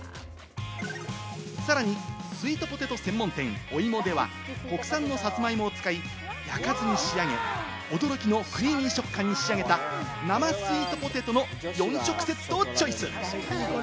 さらにスイートポテト専門店・オイモでは、国産のサツマイモを使い、焼かずに仕上げ、驚きのクリーミー食感に仕上げた生スイートポテトの４色セットをチョイス。